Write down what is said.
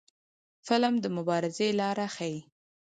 فلم د مبارزې لارې ښيي